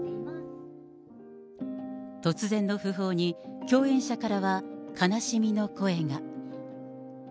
突然の訃報に、共演者からは悲しみの声が。